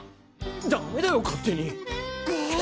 ダメだよ勝手に！え。